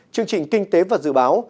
chương trình kinh tế và dự báo